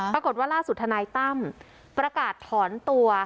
ปรากฏว่าล่าสุดธนายตั้มประกาศถอนตัว